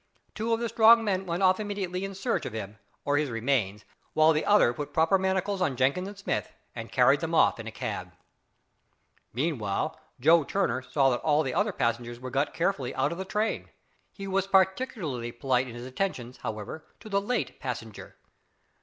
Two of the strong men went off immediately in search of him, or his remains, while the other put proper manacles on Jenkins and Smith and carried them off in a cab. Meanwhile Joe Turner saw that all the other passengers were got carefully out of the train. He was particularly polite in his attentions, however, to the "late passenger!"